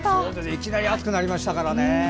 いきなり暑くなりましたからね。